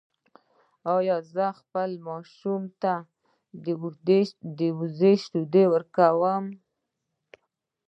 ایا زه باید ماشوم ته د وزې شیدې ورکړم؟